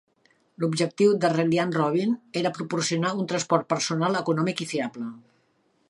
L'objectiu de Reliant Robin era proporcionar un transport personal econòmic i fiable.